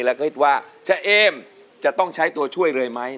แล้วก็คิดว่าเจ๊เอมจะต้องใช้ตัวช่วยเลยไหม